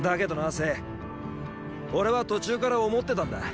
政オレは途中から思ってたんだ。